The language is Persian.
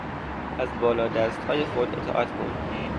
از بالا دستهای خود اطاعت کن.